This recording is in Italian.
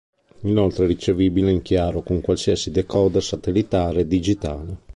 Inoltre è ricevibile in chiaro con qualsiasi decoder satellitare digitale.